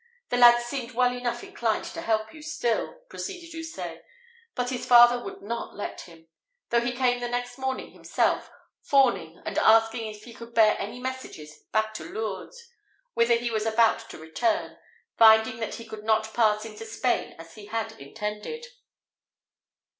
The lad seemed well enough inclined to help you still," proceeded Houssaye, "but his father would not let him; though he came the next morning himself, fawning and asking if he could bear any message back to Lourdes, whither he was about to return, finding that he could not pass into Spain as he had intended."